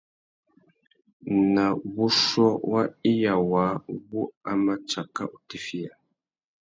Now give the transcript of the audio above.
Na wuchiô wa iya waā wu a mà tsaka utifiya.